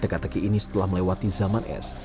teka teki ini setelah melewati zaman es